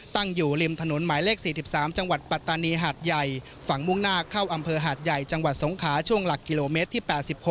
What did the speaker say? ตั้งอยู่ริมถนนหมายเลข๔๓จังหวัดปัตตานีหาดใหญ่ฝั่งมุ่งหน้าเข้าอำเภอหาดใหญ่จังหวัดสงขาช่วงหลักกิโลเมตรที่๘๖